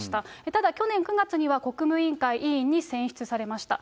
ただ、去年９月には国務委員会委員に選出されました。